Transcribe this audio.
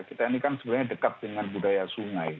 kita ini kan sebenarnya dekat dengan budaya sungai